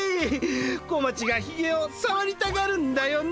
小町がひげをさわりたがるんだよね。